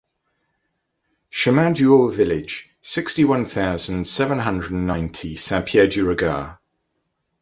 Chemin du Haut Village, sixty-one thousand seven hundred ninety Saint-Pierre-du-Regard